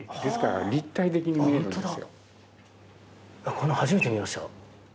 こんなの初めて見ました。